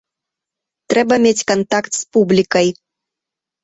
Трэба мець кантакт з публікай.